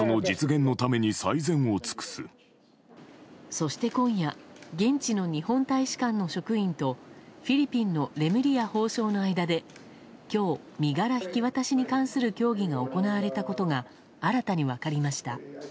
そして、今夜現地の日本大使館の職員とフィリピンのレムリヤ法相の間で今日、身柄引き渡しに関する協議が行われたことが新たに分かりました。